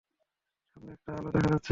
সামনে একটা আলো দেখা যাচ্ছে।